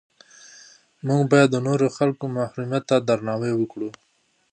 موږ باید د نورو خلکو محرمیت ته درناوی وکړو.